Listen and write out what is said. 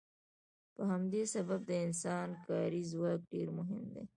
په همدې سبب د انسان کاري ځواک ډیر مهم دی.